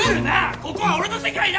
ここは俺の世界だ！